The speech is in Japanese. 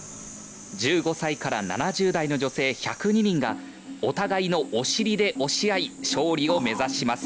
１５歳から７０代の女性１０２人がお互いのお尻で押し合い勝利を目指します。